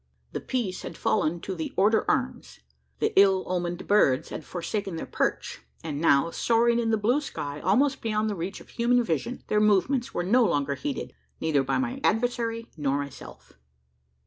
The piece had fallen to the "order arms;" the ill omened birds had forsaken their perch; and, now soaring in the blue sky, almost beyond the reach of human vision, their movements were no longer heeded neither by my adversary nor myself.